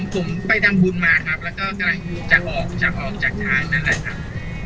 ผมไปทำบุญมาครับแล้วก็กำลังจะออกจะออกจากทางนั่นแหละครับ